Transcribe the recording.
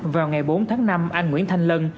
vào ngày bốn tháng năm anh nguyễn thanh lân